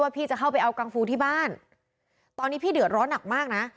พี่จะเข้าไปเอากังฟูที่บ้านตอนนี้พี่เดือดร้อนหนักมากนะ